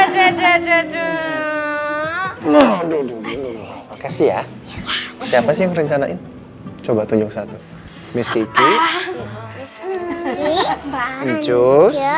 dulu dulu dulu makasih ya siapa sih rencana coba tunjuk satu miski afraid